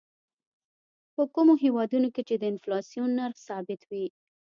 په کومو هېوادونو کې چې د انفلاسیون نرخ ثابت وي.